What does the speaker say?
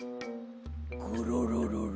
ゴロロロロ。